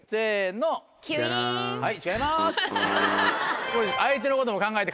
はい。